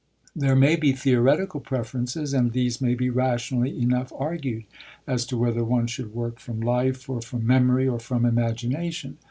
There may be theoretical preferences, and these may be rationally enough argued, as to whether one should work from life or from memory or from imagination.